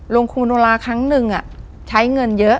ครูโนลาครั้งหนึ่งใช้เงินเยอะ